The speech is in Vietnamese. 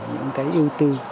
những cái yêu tư